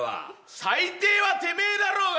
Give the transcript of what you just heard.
最低はてめえだろうが！